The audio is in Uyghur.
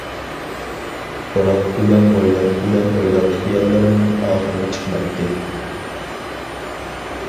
بىراق ئۇيان ئويلاپ، بۇيان ئويلاپ خىياللىرىمنىڭ ئاخىرى چىقمايتتى.